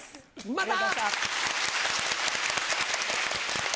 また。